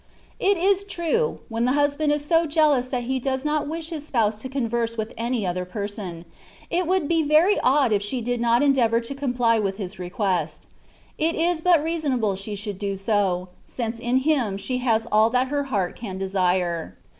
It is true, when the husband is so jealous that he does not wish his spouse to converse with any other person, it would be very odd if she did not endeavour to comply with his request ; it is but reasonable she should do so^ since in him she has all that her heart can desire.